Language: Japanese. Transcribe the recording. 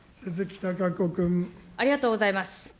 ありがとうございます。